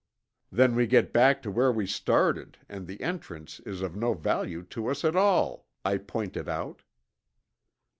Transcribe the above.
"Then we get back where we started and the entrance is of no value to us at all," I pointed out.